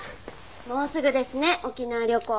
もうすぐですね沖縄旅行。